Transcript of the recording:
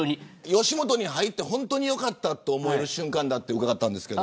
吉本に入って、本当によかったと思える瞬間だと伺いました。